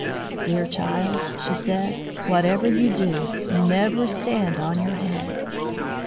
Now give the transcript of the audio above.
"Dear child," she said, "whatever you do, never stand on your head."